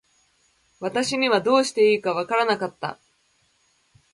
私にはどうしていいか分らなかった。